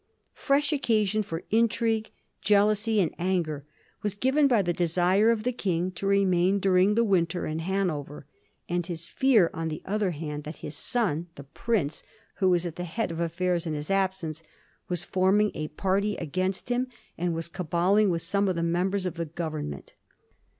Fresh occasion for intrigue, jealousy, and anger was given by the desire of the King to remain during the winter in Hanover, and his fear, on the other hand, that his son — ^the Prince who was at the head of affairs in his absence — ^was forming a party against him, and was caballing with some of the members of the Government.